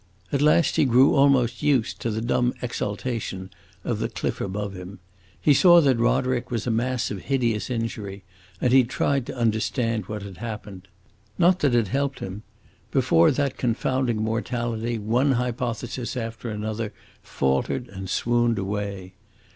At last he grew almost used to the dumb exultation of the cliff above him. He saw that Roderick was a mass of hideous injury, and he tried to understand what had happened. Not that it helped him; before that confounding mortality one hypothesis after another faltered and swooned away.